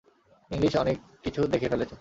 English অনেক কিছু দেখে ফেলেছে।